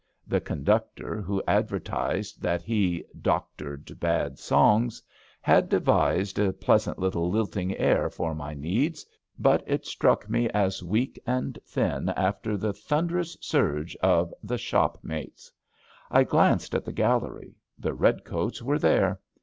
The conductor, MY GREAT AND ONLY 269 who advertised that he *^ doctored bad songs, *^ had devised a pleasant little lilting air for my needs, but it struck me as weak and thin after the thunderous surge of the Shopmates.^' I glanced at the gallery — the redcoats were there.